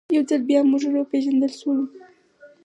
یو ځل بیا موږ ور وپېژندل سولو.